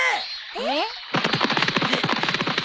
えっ？